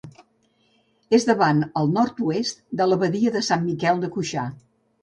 És davant, al nord-oest, de l'abadia de Sant Miquel de Cuixà.